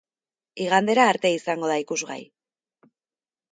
Igandera arte izango da ikusgai.